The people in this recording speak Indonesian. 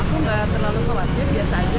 aku nggak terlalu khawatir biasa aja